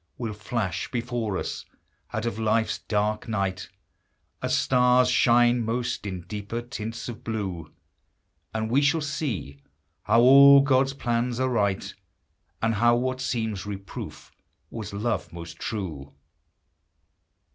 345 Will flash before us, out of life's dark night, As stars shine most in deeper tints of blue; And we shall see how all God's plans are right, And how what seems reproof was love most true.